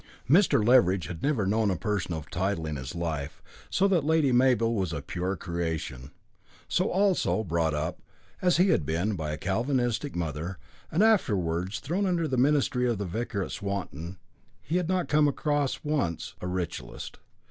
Mr. Leveridge had never known a person of title in his life, so that Lady Mabel was a pure creation; so also, brought up, as he had been, by a Calvinistic mother, and afterwards thrown under the ministry of the Vicar of Swanton, he had not once come across a Ritualist.